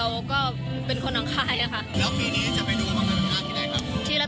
มันอาจจะเป็นแก๊สธรรมชาติค่ะ